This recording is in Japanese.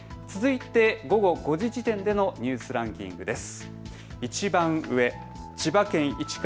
続いて午後５時時点でのニュースランキングです。